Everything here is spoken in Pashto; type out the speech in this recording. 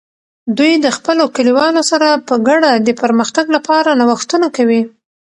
دوی د خپلو کلیوالو سره په ګډه د پرمختګ لپاره نوښتونه کوي.